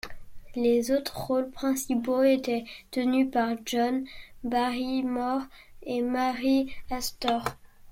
Les autres rôles principaux étaient tenus par John Barrymore et Mary Astor.